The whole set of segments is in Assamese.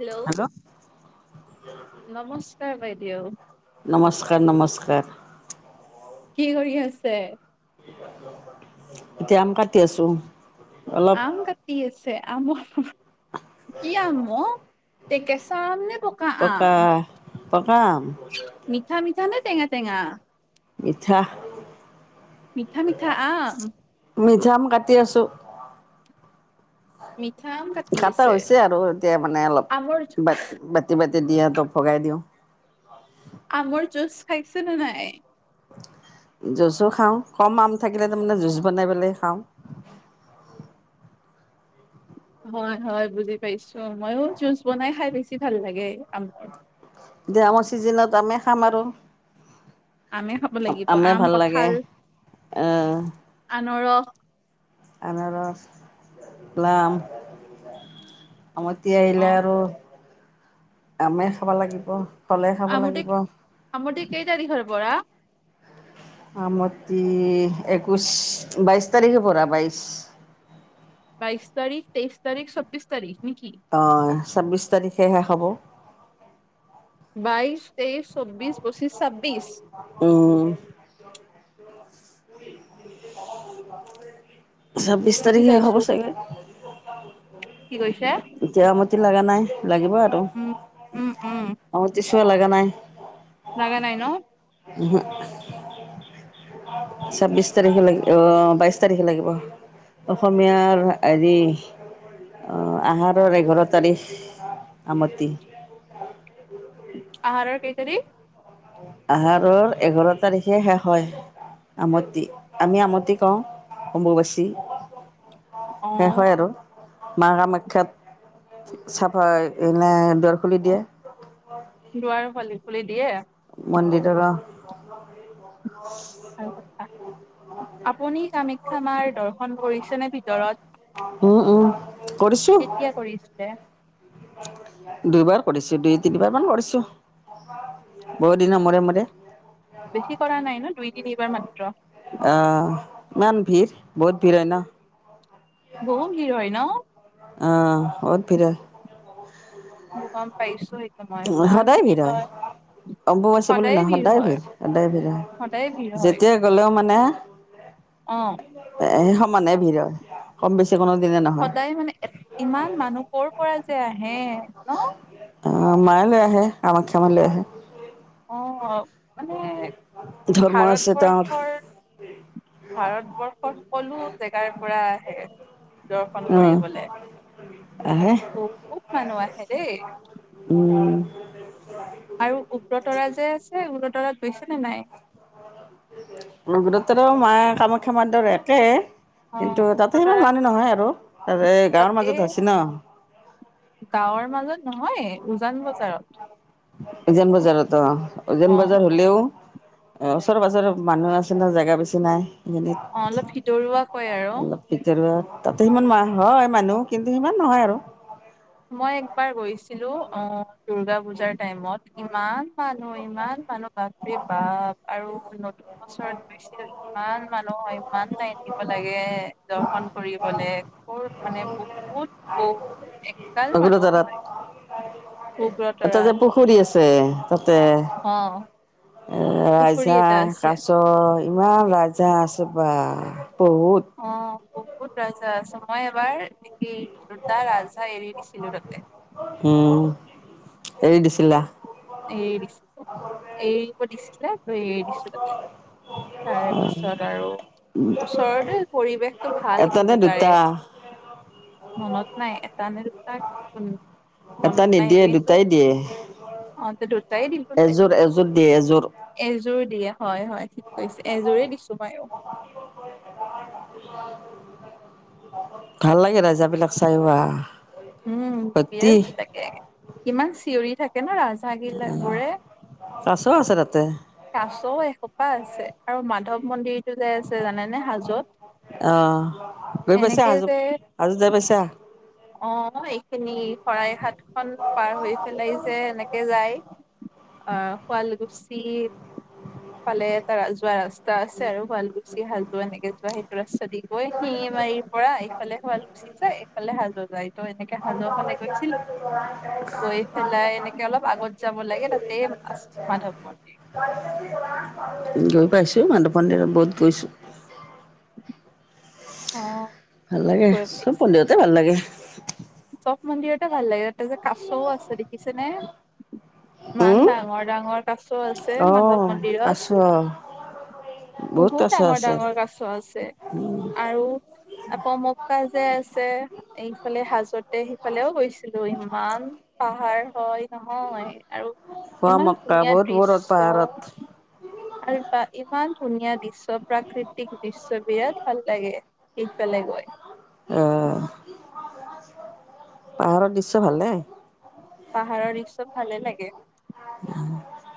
হেল্ল'। নমস্কাৰ বাইদেউ। [unintelligible] নমস্কাৰ নমস্কাৰ। কি কৰি আছে? এতিয়া আম কাট আম কাটি আছে? আম [unintelligible] কি আম অ' টে-কেঁচা আম নে? পকা পক আম। মিঠা মিঠা নে তেঙা তেঙা। মিঠা। মিঠা মিঠা আম। মিঠা আম কাটি আছোঁ। মি। খাটা হৈছে আৰু এতিয়া মানে অলপ আমৰ বাত বাতি বাতি। তেদিয়া হেতক ভগাই দিওঁ। আমৰ জুচ খাইছে নে নাই? জুচো খাওঁ কম আম থাকিলে তামানে জুচ বনাই পেলাই খাওঁ। হয় হয় বুজি পাইছো মইয়ো জুচ বনাই খাই বেছি ভাল লাগে আমৰ। এতিয়া আমৰ চিজনত আমে খাম আৰু। আমে খাব লাগিব আমে আম ভাল লাগে কঁঠাল আহ আনৰস, আনাৰস প্লাম। আমতি অ আহিলে আৰু। আমে খাব লাগিব। ফলে খাব আম লাগিব আম তে কেই তাৰিখৰ পৰা়। আমতি একৈশ বাইশ তাৰিখে পৰা বাইশ, বাইছ তাৰিখ তেইছ তাৰিখ ছবিছ তাৰিখ, নেকি অ ছাব্বিশ তাৰিখেহে হব। বাইশ। তেইশ চৌ্বিশ পচিশ ছাব্বিশ। [unintelligible] ছাব্বিশ বুজি তাৰিখে পাইছো হ'ব চাগে, কি কৈছে, এতিয়া মতি লগা নাই? লাগিব আৰু উম উম উম আম, থ লগা নাই? লগা নাই ন, উম। ছাব্বিছ তাৰিখে লাগ বাইছ তাৰিখে লাগিব অসমীয়াৰ হেৰি আহাৰৰ এঘাৰ তাৰিখ আমতি। আহাৰৰ কেই তাৰিখ। আহাৰৰ এঘাৰ তাৰিখে শেষ হয় আমতি আমি আমতি কওঁ আমবচি। অ হয় হয় আৰু। মা কামাখ্যাত চাফা এনে দৰে খুলি দিয়ে, দুৱাৰ ফালি ফুলি দিয়ে, মন্দিৰ তৰা। [unintelligible] ভাল কথা অ [unintelligible] কৰি উম উম কেতিয়া কৰিছিলে দুবাৰ কৰিছো দুই তিনিবাৰ মান কৰিছো বহুত দিনৰ মূৰে মূৰে বেছি কৰা নাই ন দুই তিনিবাৰ মাত্ৰ আহ ইমান ভিৰ বহুত ভিৰ হয় ন বহু ভিৰ হয় ন। আহ বহুত ভিৰ মই গম পাইছো সেইটো মই হয় ইমান সদায় ভিৰ হয় অম্বুবাচি বুলি সদায়ে নহয় সদায় হয় ভিৰ সদায় ভিৰ হয় সদায়ে ভিৰ হয় যেতিয়াই গলেও মানে অ এ মানে ভিৰ হয় কম বেছি। কোনো দিনে নহয় সদায় মানে ইমান মানুহ ক'ৰ পৰা চ [unintelligible] হে ন মায়ালৈ আহে কামাখ্যামালৈ আহে। অ মানে ধৰ্ম আছে তেওঁৰ ভাৰতবৰ্ষৰ ভাৰতবৰ্ষৰ সকলো জেগাৰ পৰা আহে। দৰ্শন উম কৰিবলৈ আহে বহুত মানুহ আহে দেই। উ আৰু উব্ৰতৰাত যে আছে উব্ৰ উব্ৰতৰাত গৈছে নে নাই। উব্ৰতৰাত মায়ে কামাখ্যা মন্দিৰৰ একে অ কিন্তু তাতে উগ্ৰতৰা সিমান মানি নহয় আৰু এ গাঁৱৰ তাতে মাজত হৈছ ন গাঁৱৰ মাজত নহয় উজান বজাৰত উজান বজাৰত অ উজান অ বজাৰ হ'লেও ওচৰে পাজৰেৰ মানুহ আছে ন জেগা বেছি নাই অ অলপ ভিতৰুৱাকৈ আৰু অলপ ভিতৰুৱা তাতে সিমান মানুহ হয় মানুহ কিন্তু সিমান নহয় আৰু মই একবাৰ গৈছিলো অ দূৰ্গা পূজাৰ টাইমত ইমান মানুহ ইমান মানুহ প বাপৰে বাপ আৰু নতুন ওছৰত গৈছিল ইমান মানুহ হয় ইমান নাই দিব লাগে দৰ্শন কৰিবলে মানে বহুত বহুত মানুহ কোকোৰাঝাৰত হয় এটা যে উগ্ৰতৰাত পুখুৰী আছে। তে তাতে অ পুখুৰী ৰাজা এটা আছে কাছ ইমান ৰাজহাঁহ আ [unintelligible] বহুত অ বহুত ৰাজহাঁহ আছছ মই এবাৰ নেকি দুটা ৰাজহাঁহ এৰি দিছিলোঁ তাতে। উম এৰি দিছিলা। এৰি দিছিলোঁ এৰি। খাব দিছিলে লৈ এৰি দিছোঁ তাতে তাৰে পিছত আৰু ওচৰতে পৰিৱেশতটো ভাল এটা নে কিন্তু তাৰে দুটা মনত নাই এটা নে। তাত উম এটা নিদিয়ে দুটাই দিয়ে অ দুটাই দিলোঁ এযোৰ তেন্তে এযোৰ দিয়ে এযোৰ এযোৰ দিয়ে হয় হয় ঠিক কৰিছে এযোৰেই দিছোঁ মইওঁ ভাল লাগে ৰাজহাহঁবিলাক চাই ওআহ উম বিয়াত ভাল লাগে কিমান চিঞৰি থাকে কেনা ৰাজহাহঁগিলা বোৰে কাছ আছে তাতে কাছ এসূপা আছে আৰু মাধৱ মন্দিৰ যাই আছে জানেনে হাজত আহ গৈ পাইছা এনেকে হাজো যে হাজো যাই পাইছা অ এইখিনি শৰাই ঘাট খন পাৰ হৈ পেলাই যে এনেকে যায় অ শুৱাল কোঁছি ফালে এটা ৰাজহুৱা ৰাস্তা। ত আছে আৰু শুবাল গুচি আৰু হাজো এনেকে যোৱা [inaudible] যদি গৈ শিঙি মাৰিৰ পৰা এইফালে শুৱাল কুচি যায় এইফালে হাল [inaudible] গৈ পেলাই পাইছোঁ এনেকে অলপ আগত যাব লাগে তাতে মাধৱ আছে মাধৱ মন্দিৰ মন্দিৰত বহুত গৈছোঁ। অ ভাল লাগে গৈ চব পাইছে মন্দিৰতে ভাল লাগে। চব মন্দিৰতে ভাল লাগে তাতে যে কাছও আছে দেখিছেনে ইমান উম ডাঙৰ ডাঙৰ কাছ আছে অ মাধৱ কাছ মন্দিৰত বহুত কাছ ডাঙৰ আছে ডাঙৰ কাছ আছে আৰু পমককা যে আছে এইফালে হাজ গোট সিফালেও গৈছিলো ইমান পাহাৰ হয় নহয় আৰু ইমান পোৱামক্কা ধুনীয়া বহুত ওপৰত দৃশ্য পাহাৰত আৰু ইমান ধুনীয়া দৃশ্য প্ৰাকৃতিক দৃশ্য বিৰাট ভাল লাগে সেইফালে গৈ আহ পাহাৰৰ দৃশ্য ভালে পাহাৰৰ দিশ্য ভালে লাগে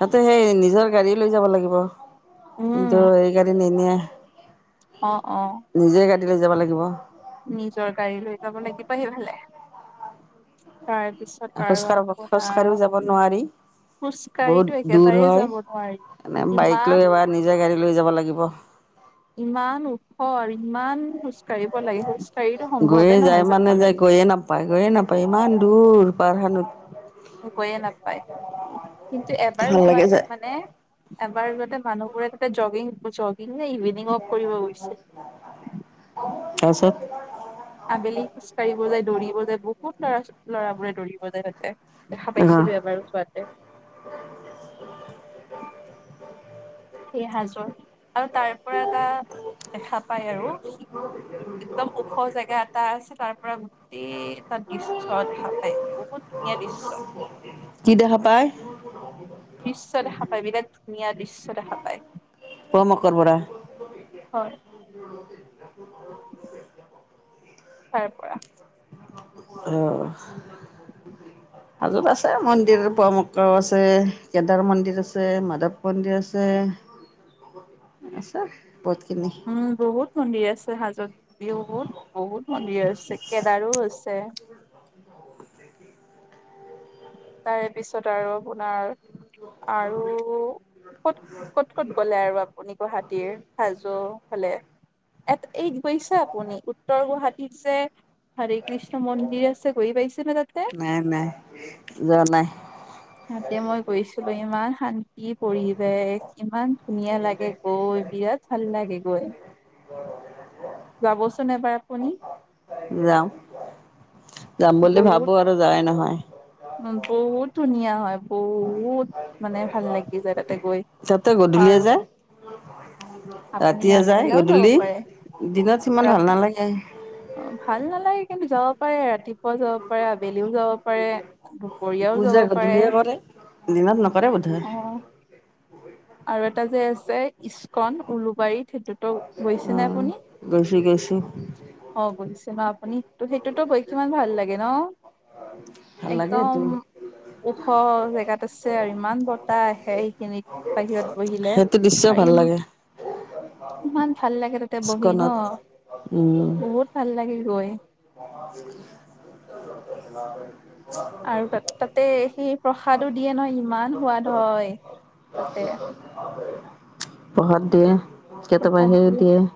তাতে সেই নিজৰ গাড়ী লৈ যাব লাগিব উম কিন্তু এই গাড়ী নিনিয়াই। [inaudible] অ', - অ', হেই ফালে যাব লাগিব নিজৰ গাড়ী লৈ যাব লাগিব সিফালে। খোজ কাঢ়- খোজ কঢ়ি যাব নোৱাৰি খোজ কাঢ়িতো বহুত দূৰ একেবাৰেই হয় যাব নোৱাৰি এনে বাইক লৈ ইমান এবাৰ নিজে গাড়ী লৈ যাব লাগিব। ইমান ওখৰ ইমান কাঢ়িব লাগে খোজ কাঢ়িতো সম্ভৱে গৈয়ে যায় নহয় মানে যাবলে। যায় গৈয়ে নাপায় -গৈয়ে নাপায় ইমান দূৰ। পাহাৰ গৈয়ে নাপায় কিন্তু এবাৰ ভাল লাগে যোৱাতে যায় মানে। এবাৰ গতে মানুহবোৰেতে জগিং - জগিং নে ইভে [inaudible] তাৰপাছত আবেলি খোজ কঢ়িব যায় দৌৰিব যায় বহুত লৰা লৰাবোৰে দৌৰিব যায় সিহঁতে দেখা আহ পাইছিলো এবাৰ চোৱাতে। এ হাজৰ আৰু তাৰ পৰা এটা দেখা পাই আৰু একদম ওখ জেগা এটা আছে তাৰ পৰা গোটেই এটা দৃশ্য দেখা পায়। বহুত ধুনীয়া দৃশ্য। কি দেখা পায়? দৃশ্য দেখা পায় বিৰাট ধুনীয়া দৃশ্য দেখা পায়। পম অকৰৰ বৰা হয়', তাৰ পৰা। আহ ', হাজোত আছে মন্দিৰ পোৱামক্কাও আছে কেদাৰ মন্দিৰ আছে মাধৱ মন্দিৰ আছে - আছে। বহুতখিনি উম', বহুত মন্দিৰ আছে হাজত বিহুত বহুত মন্দিৰ হৈছে কেদাৰো হৈছে। তাৰে পিছত আৰু আপোনাৰ আৰু ক'ত- ক'ত - ক'ত গ'লে আৰু আপুনি গুৱাহাটীৰ হাজো ফালে এ ', এই গৈছে আপুনি উত্তৰ গুৱাহাটীত যে হৰি কৃষ্ণ মন্দিৰ আছে গৈ পাইছে? নে তাতে নাই -নাই। যোৱা নাই। ততে মই গৈছিলো ইমান শান্তি পৰিৱেশ ইমান ধুনীয়া লাগে গৈ বিৰাট ভাল লাগে। গৈ', যাবচোন এবাৰ আপুনি। যাম। যাম বুলি ভাবো আৰু যাই নহয়। উ', বহুত ধুনীয়া হয় বহুত। মানে ভাল লাগি যায় তাতে গৈ তাতেই গধূলিয়ে আৰু যায় আপুনি ৰাতি যায় আগবেলাও যাব গধূলি পাৰে দিনত সিমান ভাল নালাগে। অ ভাল নালাগে কিন্তু যাব পাৰে ৰাতিপুৱা যাব পাৰে আবেলিও যাব । পূজা গধূলিয়ে কৰে দিনত নকৰে বোধই। অ আৰু এটা যে আছে ইচ্কন উলুবাৰীত। সেইটোতো গৈছে অ নে আপুনি গৈছো গৈছো অ গৈছে ন আপুনি? ত, সেইটোতো কিমান ভাল লাগে ন। ভাল লাগে এইটো একদম ওখ জেগাত। আছে আৰু ইমান বতাহ আহে সেইখিনিত। বাহিৰত বহিলে সেইটো দৃশ্য ভাল লাগে। ইমাণ। ভাল লাগে তাতে বহি নহ, ইস্কনত উম বহুত ভাল লাগে গৈ। [unintelligible] আৰু তাতে সেই প্ৰসাদো দিয়ে নহয় ইমান সোৱাদ হয় তাতে। প্ৰসাদ দিয়ে। কেতিয়াবা সেই দিয়ে। অ,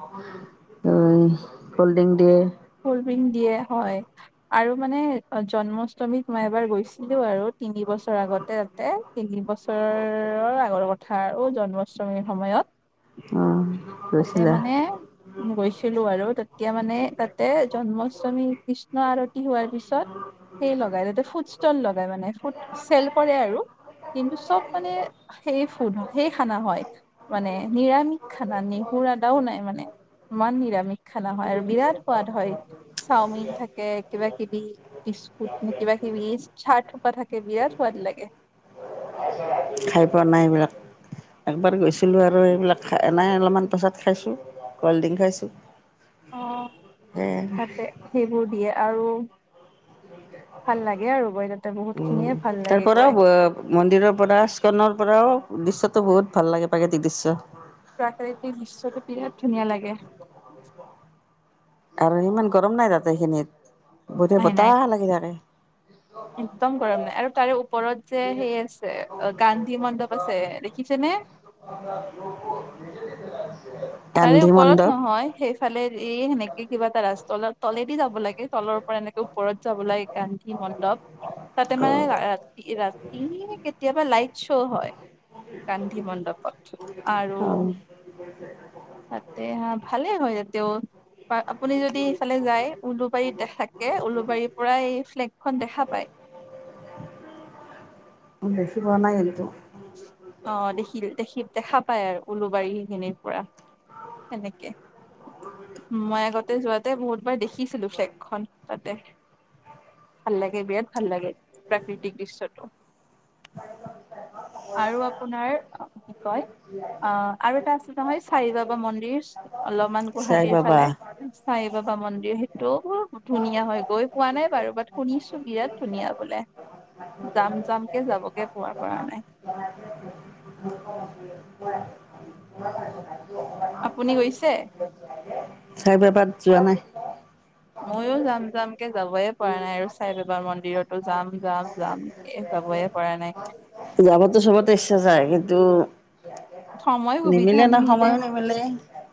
কল্ড ড্ৰিংক দিয়ে। কল্ড ড্ৰিংক দিয়ে হয়, আৰু মানে জন্মাষ্টমীত মই এবাৰ গৈছিলো আৰু তিনিবছৰ আগতে তাতে তিনি বছৰৰ আগৰ কথা আৰু জন্মাষ্টমীৰ সময়ত। অহ। তাতে মানে গৈছিলো আৰু তেতিয়া মানে। তাতে জন্মাষ্টমী কৃষ্ণ আৰত। হোৱাৰ পিছত সেই লগাই দুতে ফুচ। লগাই মানে ফুড চেল কৰে আৰু কিন্তু চব মানে সেই ফুড সেই খানা হয় মানে নিৰামিষ খানা। পুৰাটাও নাই মানে [unintelligible] ইমাণ নিৰামিষ। খানা হয় আৰু বিৰাট সোৱাদ হয়, চাওমিন থাকে কিবা কিবি বিস্কুট কিবা কিবি চাট। থাকে বিৰাট সোৱাদ লাগে। খাই পোৱা নাই এইবিলাক। একবাৰ গৈছিলোঁ আৰু এইবিলাক খাই নাই অলপমান পাছত খাইছোঁ, কল্ড ড্ৰিংক খাইছোঁ। অ' সেয়াই তাতে সেইবোৰ দিয়ে। আৰু ভাল লাগে আৰু গৈ তাতে বহুত উম, খিনিয়ে ভাল তাৰ লাগে গৈ পৰাও, মন্দিৰৰ পৰা স্কনৰ পৰাও দৃশ্যটো বহুত ভাল লাগে, প্ৰাকৃতিক দৃশ্য। প্ৰাকৃতিক দৃশ্যটো বিৰাট ধুনীয়া লাগে। আৰু ইমান গৰম নাই তাতে এইখিনিত। গোটে নাই নাই বতাহ লাগি থাকে। একদম গৰম নাই আৰু তাৰে ওপৰত যে সেই আছে, গান্ধী মণ্ডপ আছে দেখিছেনে? তাৰে গান্ধী ওপৰত মণ্ডপ নহয়। সেই ইফালে এই সেনেকে কিবা এটা ৰাস্ত তলেদি যাব লাগে, তলৰ পৰা এনেকে ওপৰত যাব লাগে। গান্ধী মণ্ডপ। তাতে মানে ৰাতি-ৰাতি কেতিয়াবা লাইট শ্ব' হয়। গান্ধী মণ্ডপ। আৰু অ', তাতে হা, ভালে হয় তাতেও। বা আপুনি যদি ইফালে যায়, উলুবাৰীত থাকে। উলুবাৰীৰ পৰা এই ফ্লেগখন দেখা পায়। দেখি পোৱা নাই কিন্তু। অ' দেখিল দেখিল, দেখা পাই আৰু উলুবাৰী সেইখিনিৰ পৰা, সেনেকে। মই আগতে যোৱাত তে বহুতবাৰ দেখিছিলো ফ্লেগখন। তাতে। ভাল লাগে বিৰাট ভাল লাগে। প্ৰাকৃতিক দৃশ্যটো। [unintelligible] আৰু আপোনাৰ, কি কয় আ, আৰু এটা আছে নহয় ছাইবাবা মন্দিৰ। অলপমান চাই গুৱাহাটীৰ বাবা ফালে, ছাই বাবা মন্দিৰ সেইটো খুব ধুনীয়া হয় । গৈ পোৱা নাই বাৰু। বাট শুনিছো বিৰাট ধুনীয়া বোলে। যাম-যামকে যাবকে পোৱা-পৰা নাই। [unintelligible] আপুনি গৈছে? ছাইবাবাত যোৱা নাই। ময়ো যাম। যামকে যাব‌ই পৰা নাই আৰু, ছাইবাবা মন্দিৰতো যাম যাম যামকে যাবই পৰা নাই। যাবতো চবতে ইচ্ছা যায়, কিন্তু সময় সুবিধা নিমিলে ন সময়ো নিমিলে।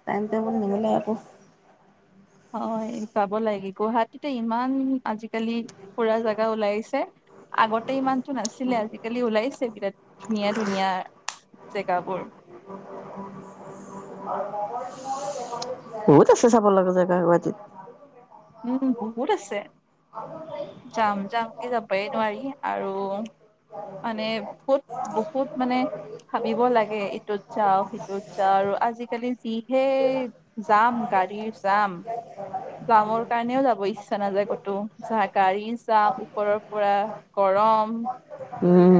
টাইম-টেবুল নিমিলে আকৌ হয়, যাব লাগে গুৱাহাটীতে ইমান আজিকালি, ফুৰা জাগা ওলাইছে। আগতে ইমান নাছিলে আজিকালি ওলাইছে বিৰাট ধুনীয়া ধুনীয়া, জেগাবোৰ। বহুত আছে চাব লগা জেগা গুৱাহাটীত। উম বহুত আছে। যাম যাম কি যাবই নোৱাৰি। আৰু মানে বহুত বহুত মানে ভাবিব লাগে ইটোত যাওঁ সিটোত যাওঁ আৰু আজিকালি যিহে যাম গাৰীৰ যাম। জামৰ কাৰণেও যাব ইচ্ছা নাযায় ক'তো যাহ গাড়ী যা ওপৰৰ পৰা গৰম। উম।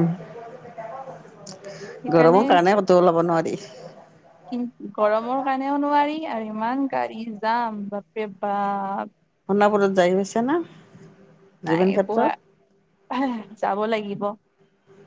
সেইকাৰণে গৰমৰ কাৰণে তো ল'ব নোৱাৰি। [unintelligible] কি গৰমৰ কাৰণেও নোৱাৰি আৰু ইমান গাড়ী যাম বাপ্ৰে বাপ। সোণাপুৰত যাই গৈছে না। নাই জুবিন পুৱা ক্ষেত্ৰত যাব লাগিব।